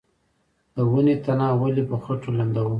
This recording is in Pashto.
د ونې تنه ولې په خټو لمدوم؟